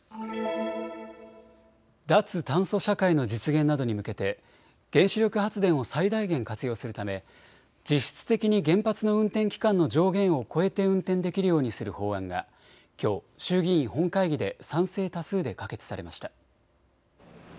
脱炭素社会の実現などに向けて原子力発電を最大限活用するため実質的に原発の運転期間の上限を超えて運転できるようにする法案がきょう衆議院本会議で賛成多数で可決されました。